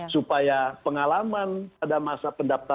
supaya pengalaman pada masa pendaftaran